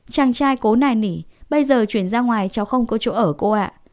chàng trai cố này nỉ bây giờ chuyển ra ngoài cháu không có chỗ ở cô ạ